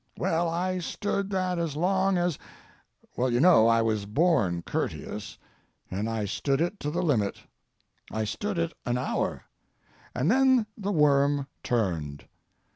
Well, I stood that as long as—well, you know I was born courteous, and I stood it to the limit. I stood it an hour, and then the worm turned.